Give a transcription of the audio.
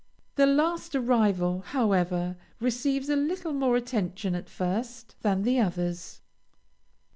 The last arrival, however, receives a little more attention at first, than the others.